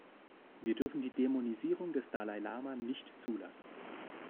Wir dürfen die Dämonisierung des Dalai Lama nicht zulassen.